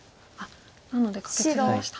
なのでカケツギました。